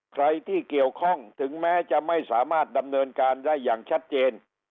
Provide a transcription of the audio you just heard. ใครที่เกี่ยวข้องถึงแม้จะไม่สามารถดำเนินการได้อย่างชัดเจน